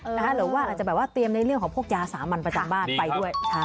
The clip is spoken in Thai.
หรือว่าอาจจะแบบว่าเตรียมในเรื่องของพวกยาสามัญประจำบ้านไปด้วย